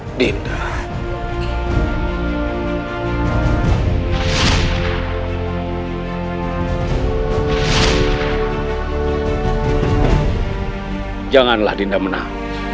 hai dinda janganlah dinda menang